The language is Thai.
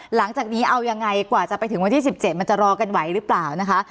หลังจากนี้เอายังไงกว่าจะไปถึงวันที่๑๗มันจะรอกันไหวหรือเปล่านะคะ